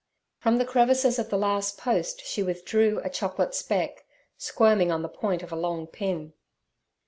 From the crevices of the last post she withdrew a chocolate speck, squirming on the point of a long pin.